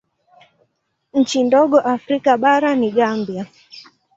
Nchi ndogo Afrika bara ni Gambia.